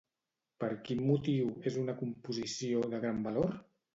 Per quin motiu és una composició de gran valor?